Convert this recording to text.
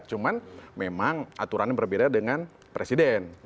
cuman memang aturannya berbeda dengan presiden